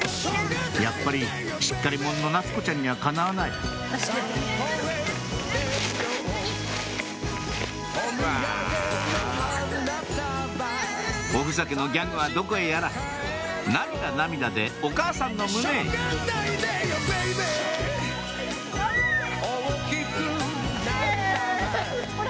やっぱりしっかり者の夏子ちゃんにはかなわないおふざけのギャグはどこへやら涙涙でお母さんの胸へほら！